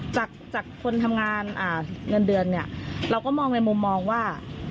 จากคนทำงานเงินเดือนเนี่ยเราก็มองในมุมมองว่า